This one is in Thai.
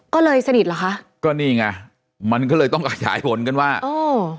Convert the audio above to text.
ก็เลยสนิทเหรอคะก็นี่ไงมันก็เลยต้องขยายผลกันว่าโอ้